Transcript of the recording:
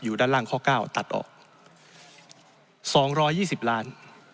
อยู่ด้านล่างข้อเก้าตัดออกสองร้อยยี่สิบล้าน